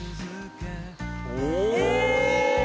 お！